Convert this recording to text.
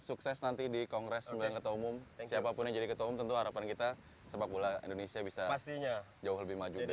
terima kasih mas nanti di kongres di bnkt umum siapapun yang jadi ketua umum tentu harapan kita sepak bola indonesia bisa jauh lebih maju dari sekarang